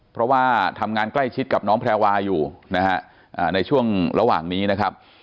เพราะว่าทำงานใกล้ชิดกับน้องแพรวาอยู่นะฮะในช่วงระหว่างนี้นะครับ